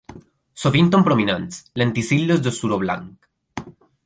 Sovint amb prominents, lenticel·les de suro blanc.